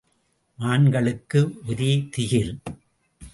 மான்களுக்கு ஒரே திகில்!